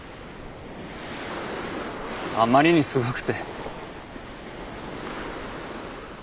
あまりにすごくて逃げた。